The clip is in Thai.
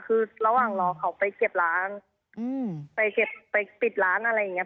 คือระหว่างรอเขาไปเก็บร้านไปเก็บไปปิดร้านอะไรอย่างนี้